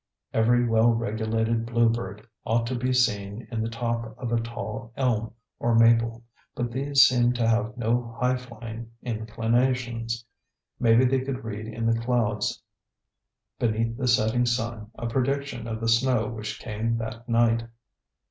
Every well regulated bluebird ought to be seen in the top of a tall elm or maple; but these seemed to have no high flying inclinations. Maybe they could read in the clouds beneath the setting sun a prediction of the snow which came that night.